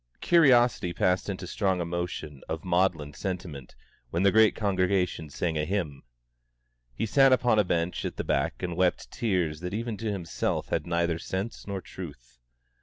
Curiosity passed into strong emotion of maudlin sentiment when the great congregation sang a hymn. He sat upon a bench at the back and wept tears that even to himself had neither sense nor truth.